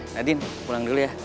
nadin pulang dulu ya